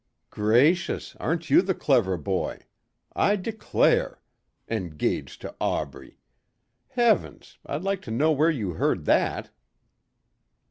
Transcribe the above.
"Gracious! Aren't you the clever boy. I declare! Engaged to Aubrey! Heavens, I'd like to know where you heard that."